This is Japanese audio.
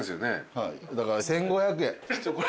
はいだから１，５００円。